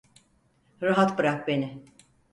Rahat bırak beni.